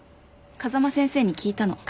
風間先生に聞いたの。